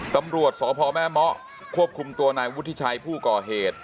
ตำรวจสพแม่เมาะควบคุมตัวนายวุฒิชัยผู้ก่อเหตุ